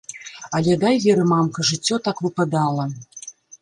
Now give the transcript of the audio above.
Але дай веры, мамка, жыццё так выпадала.